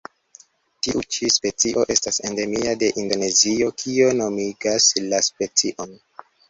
Tiu ĉi specio estas endemia de Indonezio, kio nomigas la specion.